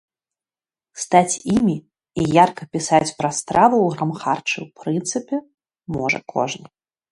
Стаць імі і ярка пісаць пра стравы ў грамхарчы, у прынцыпе, можа кожны.